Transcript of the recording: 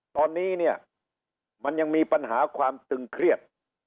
ตอนนี้เนี่ยมันยังมีปัญหาความตึงเครียด